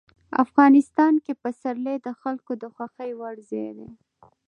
افغانستان کې پسرلی د خلکو د خوښې وړ ځای دی.